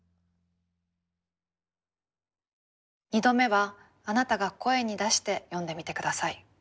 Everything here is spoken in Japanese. ２度目はあなたが声に出して読んでみて下さい。